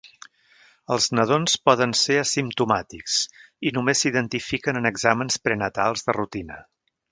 Els nadons poden ser asimptomàtics i només s'identifiquen en exàmens prenatals de rutina.